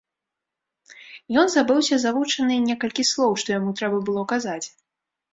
Ён забыўся завучаныя некалькі слоў, што яму трэба было казаць.